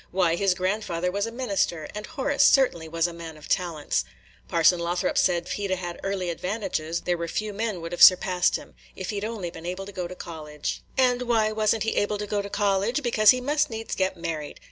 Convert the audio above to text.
Why, his grandfather was a minister, and Horace certainly was a man of talents. Parson Lothrop said, if he 'd 'a' had early advantages, there were few men would have surpassed him. If he 'd only been able to go to college." "And why was n't he able to go to college? Because he must needs get married.